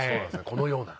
このような。